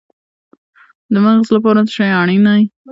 د مغز لپاره څه شی اړین دی؟